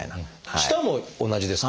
舌も同じですか？